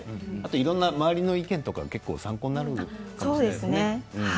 いろんな周りの意見とか参考になるかもしれないですね。